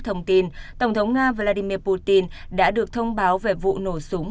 thông tin tổng thống nga vladimir putin đã được thông báo về vụ nổ súng